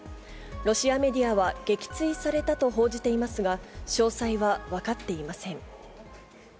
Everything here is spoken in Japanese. ロシアメディアは、撃墜されたと報じていますが、詳細は分かっていません。